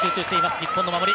日本の守り。